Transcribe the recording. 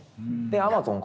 アマゾン